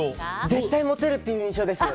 絶対モテるっていう印象です。